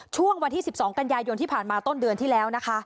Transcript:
ช่วงวันที่๑๒กันยายนที่ผ่านมาต้นเดือนที่แล้วนะคะ